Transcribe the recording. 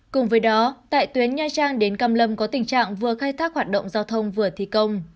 cùng với đó tại tuyến nha trang đến cam lâm có tình trạng vừa khai thác hoạt động giao thông vừa thi công